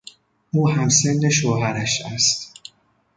او همسن شوهرش است.